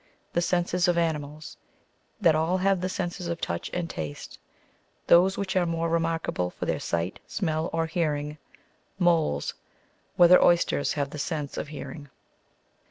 THE SENSES OF ANIMALS THAT ALL HA%T: THE SENSES OF TOrCH AND TASTE THOSE WHICH ARE MORE REMARK ABLE FOR THEIR SIGHT, SMELL, OR HEARING MOLES WHETHER OYSTERS HAVE THE SENSE OF HEARING.